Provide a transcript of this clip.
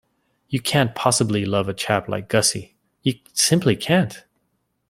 You can't possibly love a chap like Gussie. You simply can't.